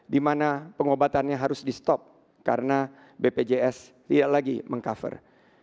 di mana pengobatannya harus di stop karena bpjs tidak lagi meng cover